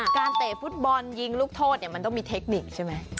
เตะฟุตบอลยิงลูกโทษมันต้องมีเทคนิคใช่ไหม